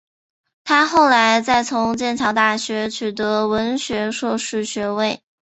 她后来再从剑桥大学取得文学硕士学位。